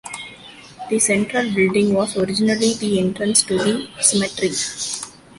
The central building was originally the entrance to the cemetery.